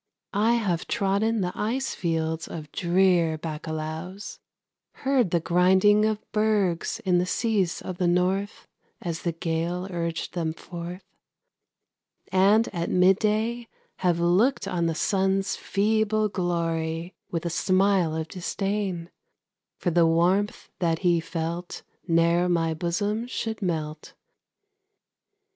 I have trodden the ice fields of drear Baccalaos, Heard the grinding of bergs in the seas of the north As the gale urged them forth, And at midday have looked on the sun's feeble glory With a smile of disdain, for the warmth that he felt Ne'er my bosom could melt.